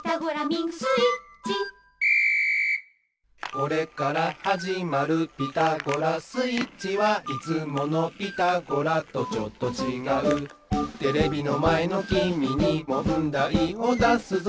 「これからはじまる『ピタゴラスイッチは』」「いつもの『ピタゴラ』とちょっとちがう」「テレビのまえのきみにもんだいをだすぞ」